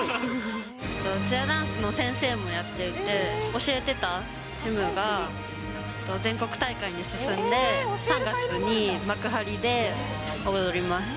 チアダンスの先生もやっていて、教えてたチームが全国大会に進んで、３月に幕張で踊ります。